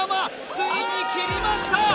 ついに斬りました